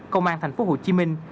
công an thành phố hồ chí minh